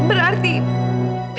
berarti putri aku masih hidup